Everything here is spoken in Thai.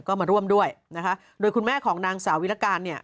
ก็มาร่วมด้วยนะคะโดยคุณแม่ของนางสาววิรการเนี่ย